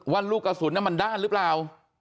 ว่าลูกกระสุนมันด้านหรือเปล่า